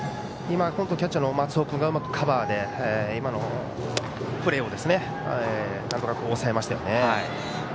キャッチャーの松尾君がうまくカバーして今のプレーをなんとか抑えましたよね。